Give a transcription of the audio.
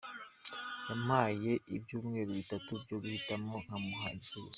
Yampaye ibyumeru bitatu byo guhitamo nkamuha igisubizo.